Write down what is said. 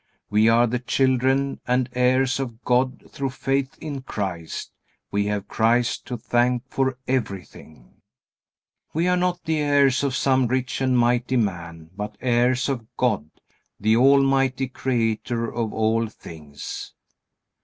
We are the children and heirs of God through faith in Christ. We have Christ to thank for everything. We are not the heirs of some rich and mighty man, but heirs of God, the almighty Creator of all things.